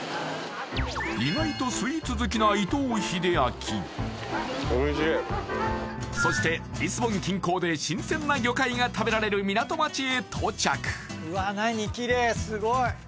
意外とスイーツ好きな伊藤英明そしてリスボン近郊で新鮮な魚介が食べられる港町へ到着